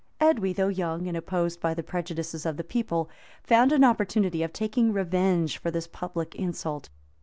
[] Edwy, though young, and opposed by the prejudices of the people, found an opportunity of taking revenge for this public insult.